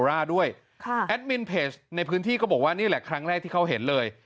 แอดมินเพจในพื้นที่ก็บอกว่านี่แหละครั้งแรกที่เขาเห็นเลย